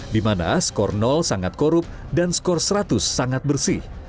di mana skor sangat korup dan skor seratus sangat bersih